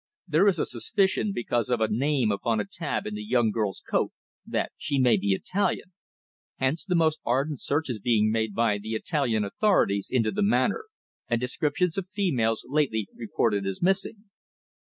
"There is a suspicion because of a name upon a tab in the young girl's coat that she may be Italian. Hence the most ardent search is being made by the Italian authorities into the manner and descriptions of females lately reported as missing."